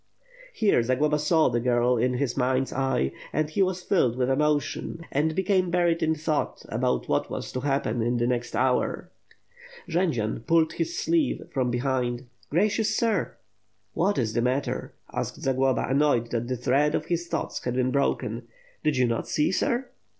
Here, Zagloba saw the girl in his mind's eye; and he was filled with emotion and became buried in thought about what was to happen in the next hour. 654 WITH FIRE AND SWORD. Jendzian pulled his sleeve from behind. "Gracious sir!" '^hat is the matter?*' asked Zagloba, annoyed that the thread of his thoughts had been broken. "Did you not see, sir?"